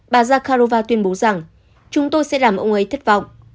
bà zakharova tuyên bố rằng chúng tôi sẽ làm ông ấy thất vọng